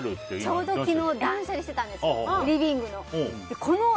ちょうど昨日断捨離してたんですリビングの。